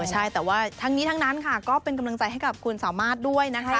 ใช่แต่ว่าทั้งนี้ทั้งนั้นค่ะก็เป็นกำลังใจให้กับคุณสามารถด้วยนะคะ